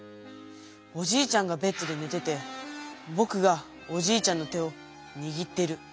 おじいちゃんがベッドでねててぼくがおじいちゃんの手をにぎってる。